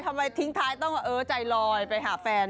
ทำไมทิ้งท้ายต้องเออใจลอยไปหาแฟน